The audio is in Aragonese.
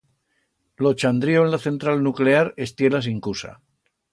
Lo chandrío en la central nuclear estié la sincusa.